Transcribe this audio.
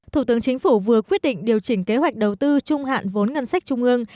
thủ tướng chính phủ vừa quyết định điều chỉnh kế hoạch đầu tư trung hạn vốn ngân sách trung ương